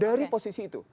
dari posisi itu